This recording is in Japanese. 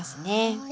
はい。